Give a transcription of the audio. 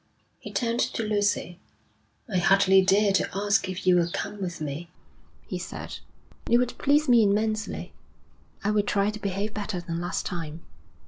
He turned to Lucy. 'I hardly dare to ask if you will come with me,' he said. 'It would please me immensely.' 'I will try to behave better than last time.'